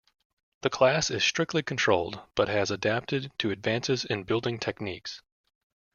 The class is strictly controlled, but has adapted to advances in building techniques.